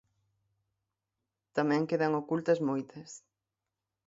Tamén quedan ocultas moitas.